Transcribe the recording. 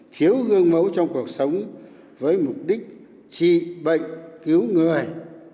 thiếu gương mẫu trong cuộc sống với mục đích trị bệnh cứu người